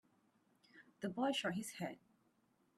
The boy shook his head.